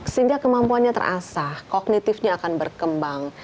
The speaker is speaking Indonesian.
sehingga kemampuannya terasah kognitifnya akan berkembang